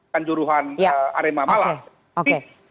tanjuruhan arema malang